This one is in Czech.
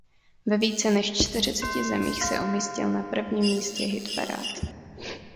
Ve více než čtyřiceti zemích se umístil na prvním místě hitparád.